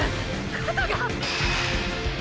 肩が！！